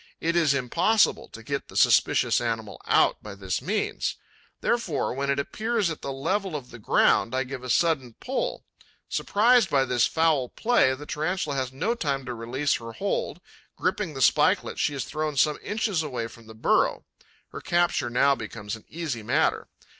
It is impossible to get the suspicious animal out by this means. Therefore, when it appears at the level of the ground, I give a sudden pull. Surprised by this foul play, the Tarantula has no time to release her hold; gripping the spikelet, she is thrown some inches away from the burrow. Her capture now becomes an easy matter.